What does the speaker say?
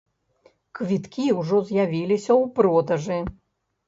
Квіткі ўжо з'явіліся ў продажы.